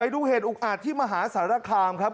ดูเหตุอุกอาจที่มหาสารคามครับ